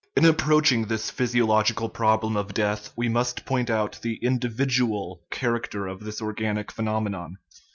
In approaching this physiological problem of death we must point out the individual character of this or ganic phenomenon.